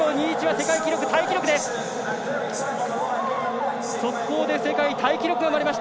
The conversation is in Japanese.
世界記録タイ記録です。